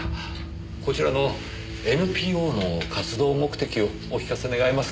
こちらのＮＰＯの活動目的をお聞かせ願えますか？